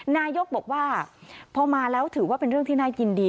นายกบอกว่าพอมาแล้วถือว่าเป็นเรื่องที่น่ายินดี